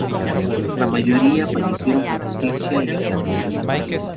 La mayoría fallecieron por asfixia y aplastamiento.